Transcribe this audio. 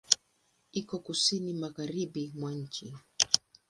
Iko Kusini magharibi mwa nchi.